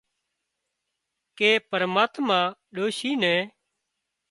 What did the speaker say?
ڪي پرماتما ڏوشي نين